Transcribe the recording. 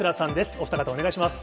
お二方、お願いします。